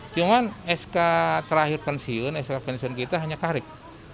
cuman sk terakhir pensiun sk pensiun kita hanya kahrik